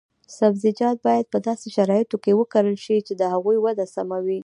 سبزیجات باید په داسې شرایطو کې وکرل شي چې د هغوی وده سمه وي.